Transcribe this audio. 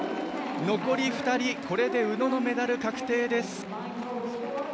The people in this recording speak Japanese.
残り２人、これで宇野のメダル確定です。